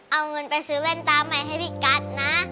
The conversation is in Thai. เอาเงินไปซื้อแว่นตาใหม่ให้พี่กัสนะ